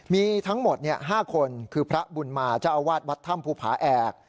มีทั้งหมด๕คนคือพระบุญมาเจ้าอาวาสวัดถ้ำภูผาแอก